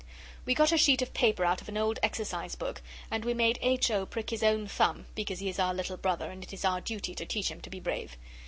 We got a sheet of paper out of an old exercise book, and we made H. O. prick his own thumb, because he is our little brother and it is our duty to teach him to be brave.